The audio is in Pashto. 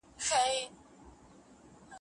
ژېړه شکره د شکرۍ خوږه ده.